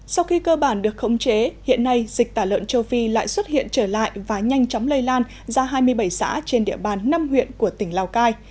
sau khi cơ bản được khống chế hiện nay dịch tả lợn châu phi lại xuất hiện trở lại và nhanh chóng lây lan ra hai mươi bảy xã trên địa bàn năm huyện của tỉnh lào cai